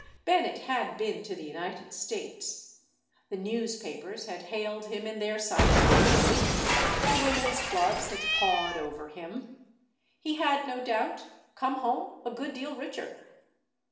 Bennett had been to the United States; the newspapers had hailed him in their side show way; the women's clubs had pawed over him; he had, no doubt, come home a good deal richer.